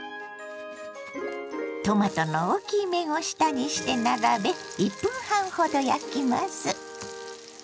トマトの大きい面を下にして並べ１分半ほど焼きます。